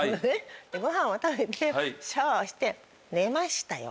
ごはんを食べてシャワーをして寝ましたよ